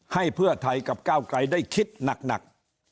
ให้เพื่อไทยกับก้าวไกลได้คิดหนัก